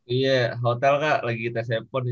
iya hotel kak lagi kita sempurna